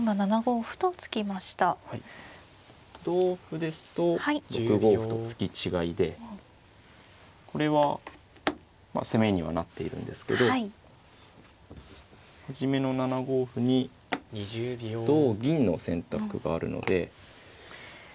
同歩ですと６五歩と突き違いでこれは攻めにはなっているんですけど初めの７五歩に同銀の選択があるので。